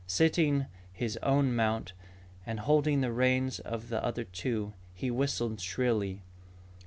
Sitting his own mount, and holding the reins of the other two, he whistled shrilly.